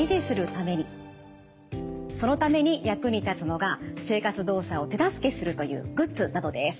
そのために役に立つのが生活動作を手助けするというグッズなどです。